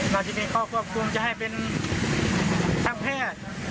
เราจะมีข้อควบคุมจะให้เป็นทางแพทย์